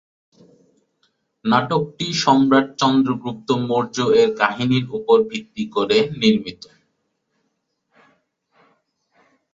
নাটকটি সম্রাট চন্দ্রগুপ্ত মৌর্য এর কাহিনির উপর ভিত্তি করে নির্মিত।